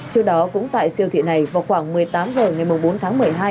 trước đó cũng tại siêu thị này vào khoảng một mươi tám h ngày bốn tháng một mươi hai